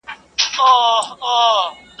چيري چي ښه هلته ئې شپه.